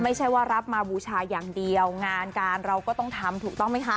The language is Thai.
ไม่ใช่ว่ารับมาบูชาอย่างเดียวงานการเราก็ต้องทำถูกต้องไหมคะ